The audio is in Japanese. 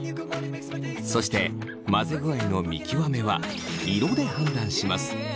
そして混ぜ具合の見極めは色で判断します。